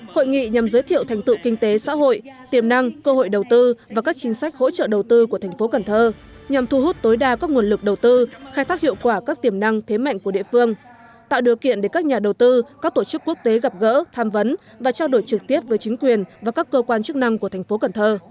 hội nghị nhằm giới thiệu thành tựu kinh tế xã hội tiềm năng cơ hội đầu tư và các chính sách hỗ trợ đầu tư của thành phố cần thơ nhằm thu hút tối đa các nguồn lực đầu tư khai thác hiệu quả các tiềm năng thế mạnh của địa phương tạo điều kiện để các nhà đầu tư các tổ chức quốc tế gặp gỡ tham vấn và trao đổi trực tiếp với chính quyền và các cơ quan chức năng của thành phố cần thơ